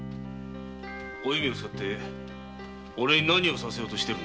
お弓を使っておれに何をさせようとしてるんだ。